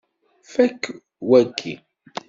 Fakk waki!